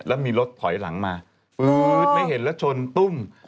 แล้วมีรถถอยหลังมาปื๊ดไม่เห็นแล้วชนตุ้ม